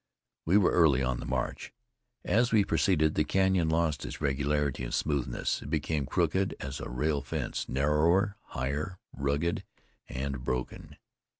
We were early on the march. As we proceeded the canyon lost its regularity and smoothness; it became crooked as a rail fence, narrower, higher, rugged and broken.